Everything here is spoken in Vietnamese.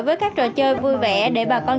với các trò chơi vui vẻ để bà con